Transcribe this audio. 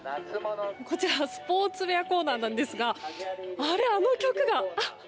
こちらスポーツウェアコーナーなんですが、あの曲が。